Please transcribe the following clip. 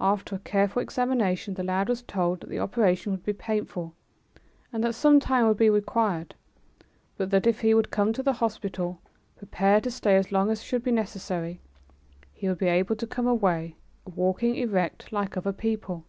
After a careful examination the lad was told that the operation would be painful, and that some time would be required, but that if he would come to the hospital, prepared to stay as long as should be necessary, he would be able to come away, walking erect, like other people.